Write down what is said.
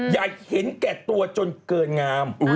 อยากเห็นแก่ตัวจนเกินงาม